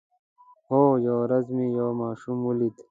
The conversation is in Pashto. هو، یوه ورځ مې یو ماشوم ولید